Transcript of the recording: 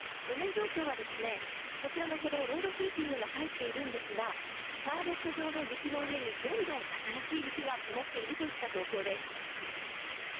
路面状況は、こちらの歩道、ロードヒーティングが入っているんですが、シャーベット状の雪の上にどんどん新しい雪が積もっているといった状況です。